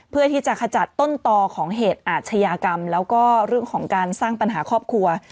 เพื่อที่จะขจัดต้นต่อของเหตุอาชญากรรมแล้วก็เรื่องของการสร้างปัญหาครอบครัว